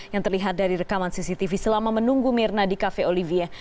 yang terlihat dari rekaman cctv selama menunggu mirna di cafe olivia